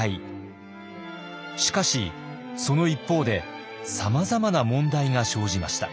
しかしその一方でさまざまな問題が生じました。